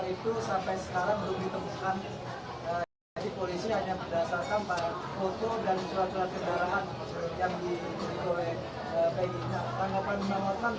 misalnya ada modulnya juga bahaya nih